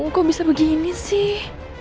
kok bisa begini sih